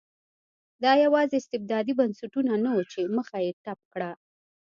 دا یوازې استبدادي بنسټونه نه وو چې مخه یې ډپ کړه.